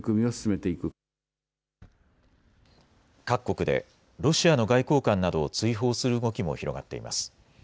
各国でロシアの外交官などを追放する動きも広がっています。